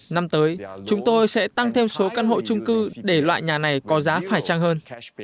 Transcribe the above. năm tới chúng tôi sẽ tăng thêm số căn hộ trung cư để loại nhà này có giá phải trang hơn